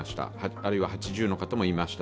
あるいは８０の方もいました。